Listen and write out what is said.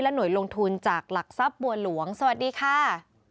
หน่วยลงทุนจากหลักทรัพย์บัวหลวงสวัสดีค่ะ